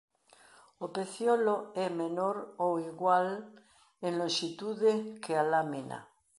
O pecíolo é menor ou igual en lonxitude que a lámina.